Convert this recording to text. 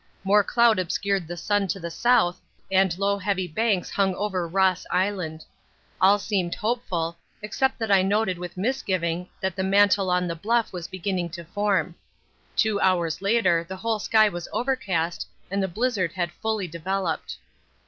More cloud obscured the sun to the south and low heavy banks hung over Ross Island. All seemed hopeful, except that I noted with misgiving that the mantle on the Bluff was beginning to form. Two hours later the whole sky was overcast and the blizzard had fully developed.